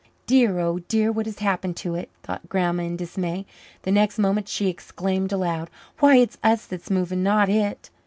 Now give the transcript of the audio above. Dear, oh dear, what has happened to it? thought Grandma in dismay. The next moment she exclaimed aloud, "Why, it's us that's moving, not it!"